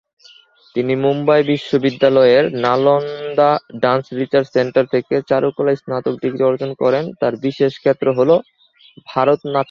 তিনি মুম্বই বিশ্ববিদ্যালয়ের Nalanda dance research centre থেকে চারুকলায় স্নাতক ডিগ্রি অর্জন করেন, তার বিশেষ ক্ষেত্র হল ভারতনাট্যম।